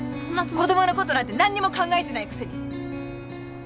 子供のことなんて何にも考えてないくせに。